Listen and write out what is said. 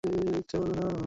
আমি আমার ভাইকে ভালোবাসি।